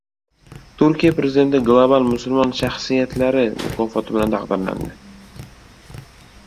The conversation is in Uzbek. Turkiya prezidenti «Global musulmon shaxsiyatlari» mukofoti bilan taqdirlandi